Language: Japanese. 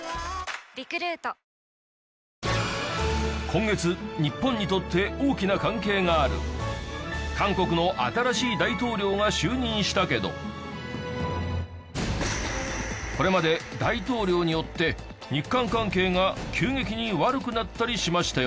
今月日本にとって大きな関係がある韓国のこれまで大統領によって日韓関係が急激に悪くなったりしましたよね。